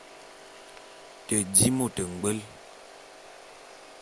Te di môt ngbwe.